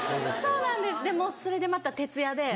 でもそれでまた徹夜で。